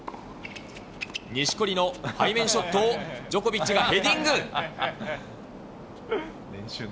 錦織の背面ショットをジョコビッチがヘディング。